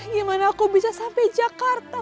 gimana aku bisa sampai jakarta